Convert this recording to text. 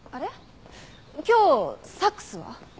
今日サックスは？